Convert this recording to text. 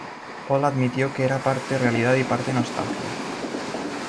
Paul admitió que era parte realidad y parte nostalgia.